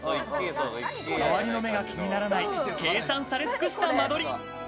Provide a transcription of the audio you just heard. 周りの目が気にならない、計算され尽くした間取り。